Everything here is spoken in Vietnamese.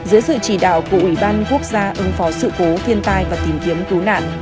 dưới sự chỉ đạo của ủy ban quốc gia ứng phó sự cố thiên tai và tìm kiếm cứu nạn